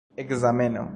ekzameno